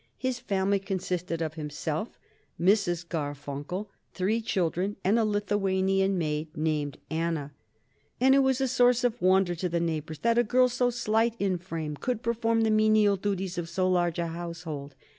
His family consisted of himself, Mrs. Garfunkel, three children and a Lithuanian maid named Anna, and it was a source of wonder to the neighbors that a girl so slight in frame could perform the menial duties of so large a household.